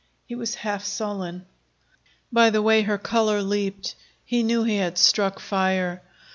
He was half sullen. By the way her color leaped, he knew he had struck fire.